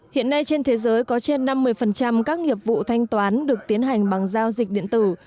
hiện nay trên thế giới có trên năm mươi các nghiệp vụ thanh toán được tiến hành bằng giao dịch điện tử